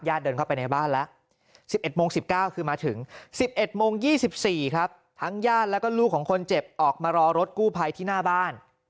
เดินเข้าไปในบ้านแล้ว๑๑โมง๑๙คือมาถึง๑๑โมง๒๔ครับทั้งญาติแล้วก็ลูกของคนเจ็บออกมารอรถกู้ภัยที่หน้าบ้าน